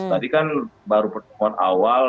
tadi kan baru pertemuan awal